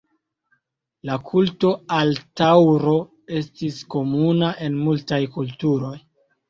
La kulto al taŭro estis komuna en multaj kulturoj.